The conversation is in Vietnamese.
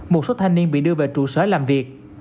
một số thanh niên bị đưa về trụ sở làm việc